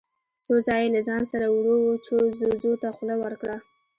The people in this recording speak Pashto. څو ځايه يې له ځان سره وړو وچو ځوځو ته خوله ورکړه.